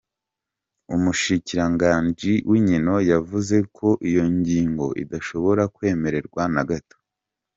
Umushikiranganji w'inkino yavuze ko iyo ngingo "idashobora kwemerwa na gato".